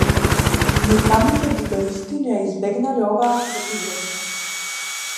Ни самите дадаисти не ја избегнале оваа противречност.